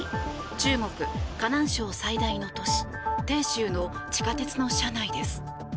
中国・河南省最大の都市、鄭州の地下鉄の車内です。